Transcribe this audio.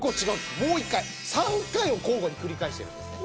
もう１回３回を交互に繰り返してるんですね。